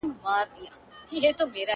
په ځنګلونو کي یې نسل ور پایمال که،